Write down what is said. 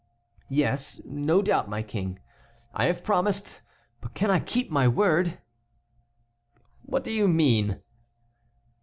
"Yes, no doubt, my King. I have promised, but can I keep my word?" "What do you mean?"